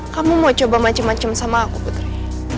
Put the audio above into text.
kamu mau coba macem macem sama aku putri